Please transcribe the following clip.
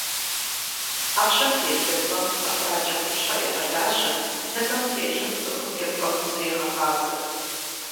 Ӏэпщэм телъ лыпцӏэм ӏэфракӏэ къупщхьэр егъэлажьэ, ныбэм телъым цӏыхум и пкъым зрегъэгъазэ.